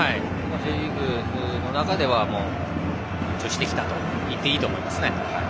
Ｊリーグの中では復調してきたといっていいと思います。